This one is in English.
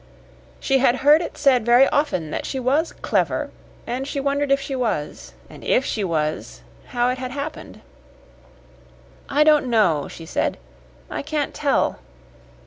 She had heard it said very often that she was "clever," and she wondered if she was and IF she was, how it had happened. "I don't know," she said. "I can't tell."